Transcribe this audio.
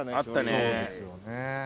そうですよね。